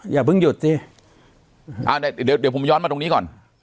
อย่าเพิ่งหยุดสิอ่าเดี๋ยวเดี๋ยวผมย้อนมาตรงนี้ก่อน